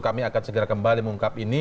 kami akan segera kembali mengungkap ini